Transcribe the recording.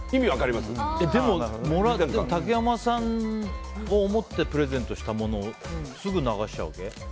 でも、竹山さんを思ってプレゼントしたものをすぐ流しちゃうわけ？